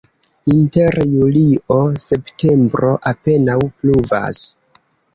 Inter julio-septembro apenaŭ pluvas.